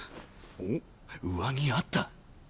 おっ上着あった。